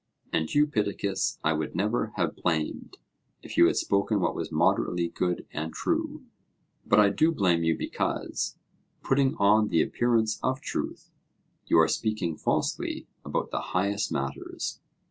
And you, Pittacus, I would never have blamed, if you had spoken what was moderately good and true; but I do blame you because, putting on the appearance of truth, you are speaking falsely about the highest matters.'